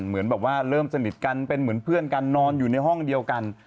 เหมือนแบบว่าเริ่มสนิทกันเป็นเหมือนเพื่อนกันนอนอยู่ในห้องเดียวกัน